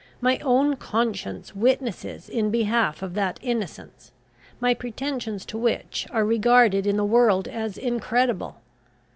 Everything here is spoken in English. My own conscience witnesses in behalf of that innocence, my pretensions to which are regarded in the world as incredible.